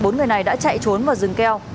bốn người này đã chạy trốn vào rừng keo